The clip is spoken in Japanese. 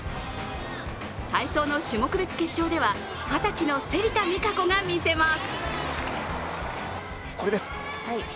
体操の種目別決勝では、二十歳の芹田未果子がみせます。